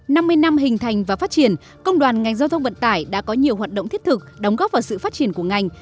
năm mươi năm hình thành và phát triển công đoàn ngành giao thông vận tải đã có nhiều hoạt động thiết thực đóng góp vào sự phát triển của ngành